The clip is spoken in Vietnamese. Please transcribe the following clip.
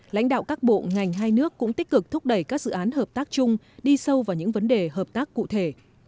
lãnh đạo các bộ ngành hai nước cũng tích cực thúc đẩy các dự án hợp tác chung đi sâu vào những vấn đề hợp tác cụ thể